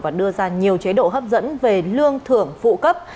và đưa ra nhiều chế độ hấp dẫn về lương thưởng phụ cấp